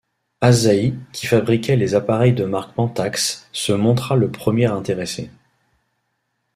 Asahi, qui fabriquait les appareils de marque Pentax, se montra le premier intéressé.